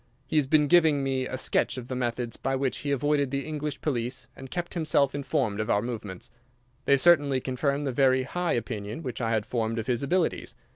He has been giving me a sketch of the methods by which he avoided the English police and kept himself informed of our movements. They certainly confirm the very high opinion which I had formed of his abilities.